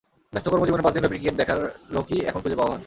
ব্যস্ত কর্মজীবনে পাঁচ দিনব্যাপী ক্রিকেট দেখার লোকই এখন খুঁজে পাওয়া ভার।